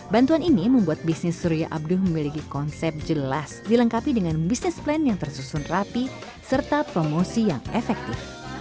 bantuan ini membuat bisnis surya abduh memiliki konsep jelas dilengkapi dengan bisnis plan yang tersusun rapi serta promosi yang efektif